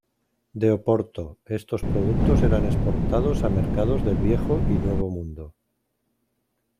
De Oporto, estos productos eran exportados a mercados del Viejo y Nuevo Mundo.